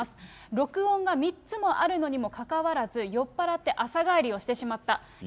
録音が３つもあるにもかかわらず、酔っ払って朝帰りをしてしまった。